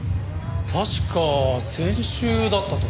確か先週だったと。